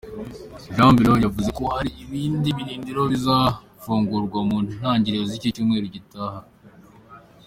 Jean Baillaud yavuze ko hari ibindi birindiro bizafungurwa mu ntangiriro z’icyumweru gitaha.